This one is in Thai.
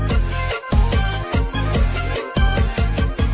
ที่รับทราบ